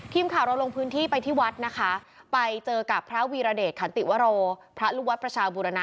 ทีมข่าวเราลงพื้นที่ไปที่วัดนะคะไปเจอกับพระวีรเดชขันติวโรพระลูกวัดประชาบุรณะ